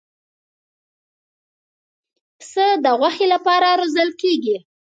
پسه د غوښې لپاره روزل کېږي.